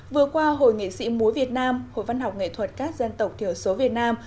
vừa qua hội nghệ sĩ múa việt nam hội văn học nghệ thuật các dân tộc thiểu số việt nam